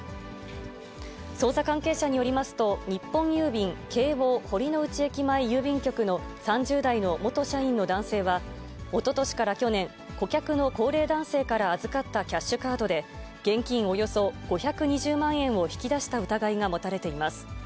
捜査関係者によりますと、日本郵便京王堀之内駅前郵便局の３０代の元社員の男性は、おととしから去年、顧客の高齢男性から預かったキャッシュカードで現金およそ５２０万円を引き出した疑いが持たれています。